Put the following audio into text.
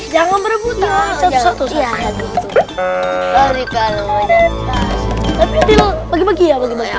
jangan merebut jangan berebut jangan berebut